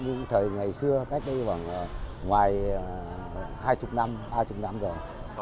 như thời ngày xưa cách đây khoảng ngoài hai mươi năm ba mươi năm rồi